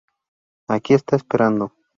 Aquí está Esperando!